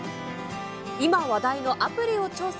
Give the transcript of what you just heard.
今話題のアプリを調査。